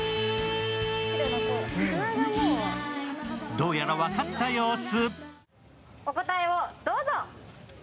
どうやら分かった様子。